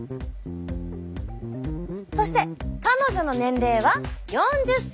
そして彼女の年齢は４０歳。